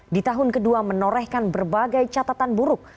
di tahun kedua menorehkan berbagai catatan buruk